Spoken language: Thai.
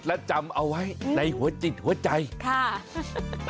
และจำเอาไว้ในหัวจิตหัวใจค่ะ